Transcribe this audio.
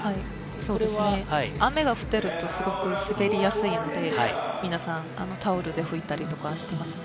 これは雨が降っていると、すごく滑りやすいので、皆さんタオルで拭いたりとかしていますね。